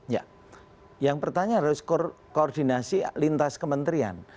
ya yang pertanyaan harus koordinasi lintas kementerian